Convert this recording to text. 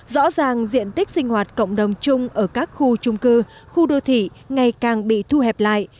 rõ ràng diện tích sinh hoạt cộng đồng chung ở các khu trung cư khu đô thị ngày càng bị thu hẹp lại